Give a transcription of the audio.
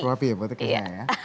serapi ya berarti kayaknya ya